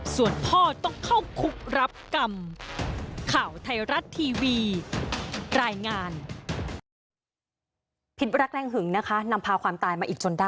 ส่วนพ่อต้องเข้าคุกรับกรรม